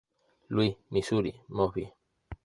Louis, Missouri: Mosby.